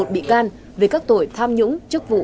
hai bốn trăm một mươi một bị can về các tội tham nhũng chức vụ